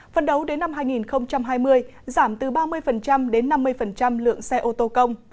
phần đầu đến năm hai nghìn hai mươi giảm từ ba mươi đến năm mươi lượng xe ô tô công